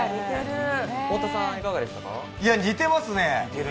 似てますね！